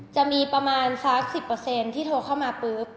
จะมีประมาณสัก๑๐ที่โทรเข้ามาปุ๊บ